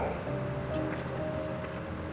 aku sudah merasa